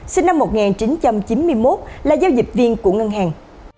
sinh năm một nghìn chín trăm chín mươi một là giao dịch viên của ngân hàng